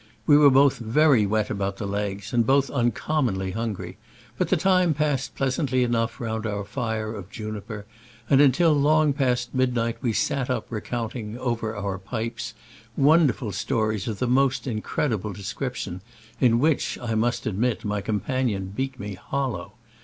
We were both very wet about the legs, and both uncommonly hungry, but the time passed pleasantly enough round our fire of juniper, and until long past midnight we sat up recounting, over our pipes, wonderful stories of the most incredible descrip tion, in which, I must admit, my com panion beat me hollow.